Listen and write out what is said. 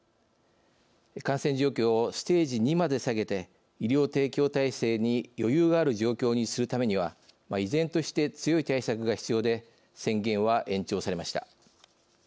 感染状況をステージ２まで下げて医療提供体制に余裕がある状況にするためには依然として強い対策が必要で宣言は延長されました。